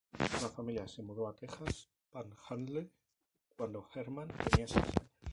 La familia se mudó a Texas Panhandle cuando Herman tenía seis años.